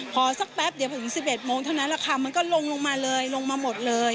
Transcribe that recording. พอสักแป๊บเดี๋ยวถึงสิบเอ็ดโมงเท่านั้นแหละค่ะมันก็ลงลงมาเลย